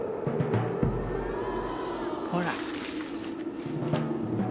「ほら」